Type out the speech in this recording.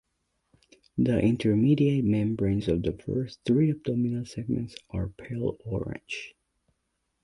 The intermediate membranes of the first three abdominal segments are pale orange.